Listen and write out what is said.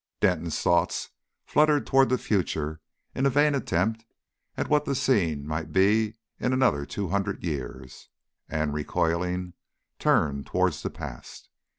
Denton's thoughts fluttered towards the future in a vain attempt at what that scene might be in another two hundred years, and, recoiling, turned towards the past.